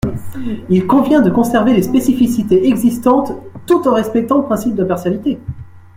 Il convient de conserver les spécificités existantes tout en respectant le principe d’impartialité.